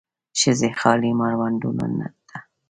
ښځې خالي مړوندونو ته